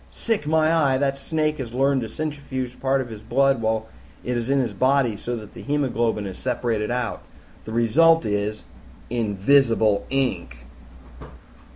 "Sick, my eye! That snake has learned to centrifuge part of his blood while it is in his body, so that the hemoglobin is separated out. The result is invisible ink!"